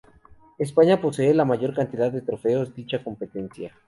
España posee la mayor cantidad de trofeos dicha competencia.